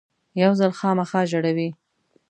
یو ځل خامخا ژړوي .